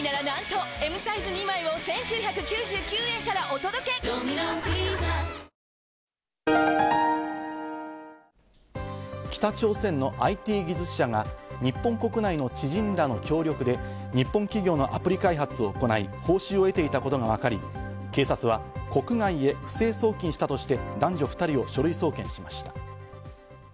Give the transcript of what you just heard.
政府は今の国会で法案を成立させ、北朝鮮のＩＴ技術者が日本国内の知人らの協力で日本企業のアプリ開発を行い、報酬を得ていたことがわかり、警察は国外へ不正送金したとして男女２人を書類送検しました。